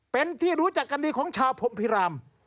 เป็นที่รู้จักกันดีของชาวพรมพิราม